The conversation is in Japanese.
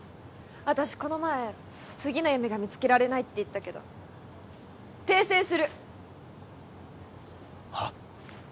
私この前次の夢が見つけられないって言ったけど訂正するはっ？